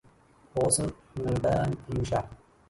غصن من البان في وشاح